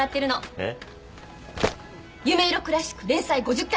えっ？